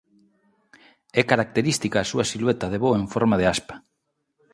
É característica a súa silueta de voo en forma de aspa.